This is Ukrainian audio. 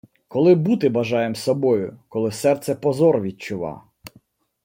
Коли бути бажаєм собою, Коли серце позор відчува!